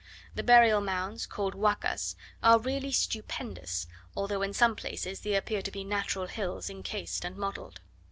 The burial mounds, called Huacas, are really stupendous; although in some places they appear to be natural hills incased and modelled.